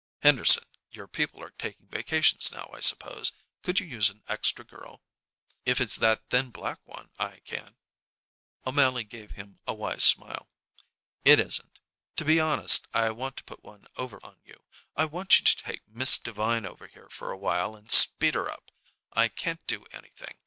"Henderson, your people are taking vacations now, I suppose? Could you use an extra girl?" "If it's that thin black one, I can." O'Mally gave him a wise smile. "It isn't. To be honest, I want to put one over on you. I want you to take Miss Devine over here for a while and speed her up. I can't do anything.